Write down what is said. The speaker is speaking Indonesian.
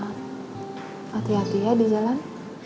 hati hati ya di jalan